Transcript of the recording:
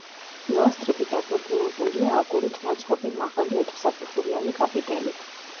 პილასტრები დაგვირგვინებულია აგურით ნაწყობი მაღალი ოთხსაფეხურიანი კაპიტელით.